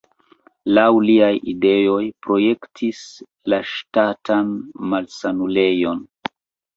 Laŭ liaj ideoj projektis la Ŝtatan malsanulejon.